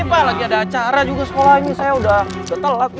pak lagi ada acara juga sekolah ini saya udah ketel lakunya